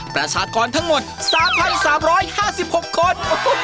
ประชากรทั้งหมด๓๓๕๖คน